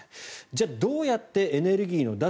じゃあ、どうやってエネルギーの脱